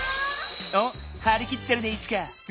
おっはりきってるねイチカ。